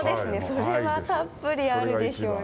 それはたっぷりあるでしょうね。